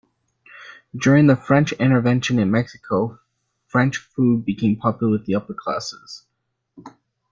During the French intervention in Mexico, French food became popular with the upper classes.